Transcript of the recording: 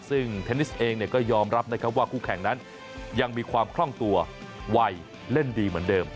ซึ่งเทนนิสเองก็ยอมรับนะครับว่าคู่แข่งนั้นยังมีความคล่องตัวไวเล่นดีเหมือนเดิม